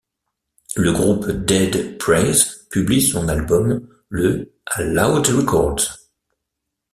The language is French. Le groupe dead prez publie son album ' le à Loud Records.